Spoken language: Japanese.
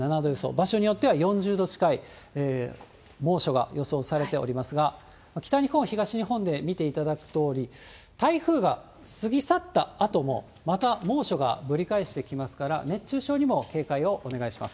場所によっては４０度近い猛暑が予想されておりますが、北日本、東日本で見ていただくとおり、台風が過ぎ去ったあとも、また猛暑がぶり返してきますから、熱中症にも警戒をお願いします。